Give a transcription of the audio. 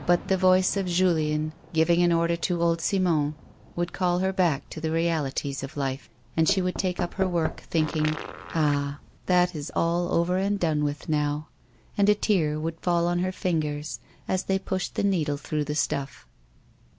But the voice of Julien, giving an order to old Simon, would call lier back to the realities of life, and she would take up her work, thinking, "Ah, that is all over and done with now," and a tear would fall on her fingers as they pushed the needle through the stuff'.